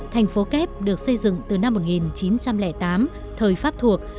thành phố kép được xây dựng từ năm một nghìn chín trăm linh tám thời pháp thuộc